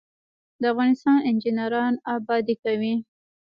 د افغانستان انجنیران ابادي کوي